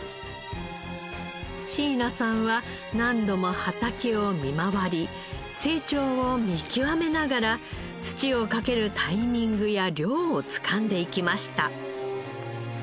椎名さんは何度も畑を見回り成長を見極めながら土をかけるタイミングや量をつかんでいきました。